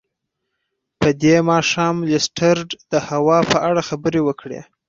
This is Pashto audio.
په دې ماښام لیسټرډ د هوا په اړه خبرې وکړې.